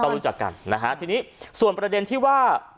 รู้จักกันนะฮะทีนี้ส่วนประเด็นที่ว่า